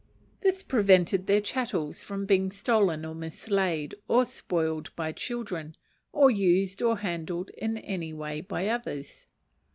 This prevented their chattels from being stolen or mislaid, or spoiled by children, or used or handled in any way by others.